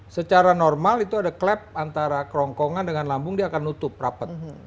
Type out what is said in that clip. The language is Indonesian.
secara normal itu ada klap antara kerongkongan dengan lambung dia akan nutup rapat